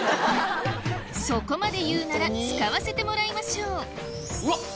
そこまで言うなら使わせてもらいましょううわ！